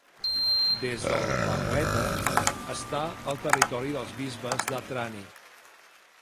Des del Barletta està al territori dels bisbes de Trani.